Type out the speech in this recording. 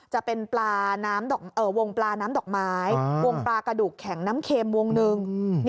จะเป็นวงปลาน้ำดอกไม้วงปลากระดูกแข็งน้ำเค็มวงหนึ่ง